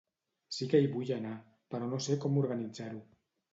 Sí que hi vull anar, però no sé com organitzar-ho.